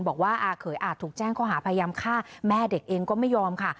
บอกว่าอาเขยอาจถูกแจ้งข้อหาพยายามฆ่าแม่เด็กเองก็ไม่ยอมค่ะ